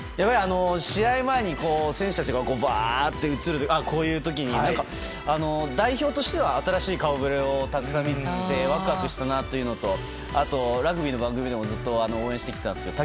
試合前に選手たちがぶわっと映る時に代表としては新しい顔ぶれを見ててワクワクしたなというのとあと、ラグビーの番組でもずっと応援してきたんですけど